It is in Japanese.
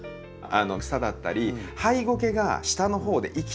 草だったりハイゴケが下のほうで生きている。